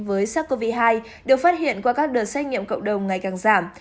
với sars cov hai được phát hiện qua các đợt xét nghiệm cộng đồng ngày càng giảm